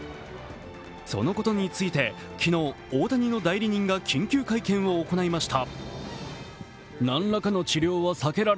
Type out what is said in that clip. そのことについて昨日、大谷の代理人が緊急会見を行いました。